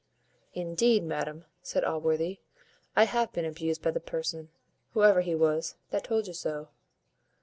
"Indeed, madam," said Allworthy, "I have been abused by the person, whoever he was, that told you so."